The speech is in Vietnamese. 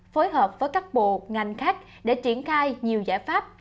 phối hợp với các bộ ngành khác để triển khai nhiều giải pháp